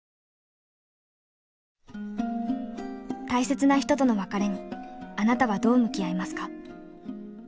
大切な人との別れにあなたはどう向き合いますか？